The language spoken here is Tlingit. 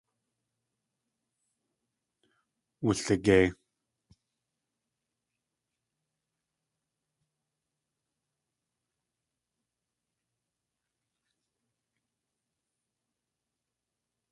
Wuligei.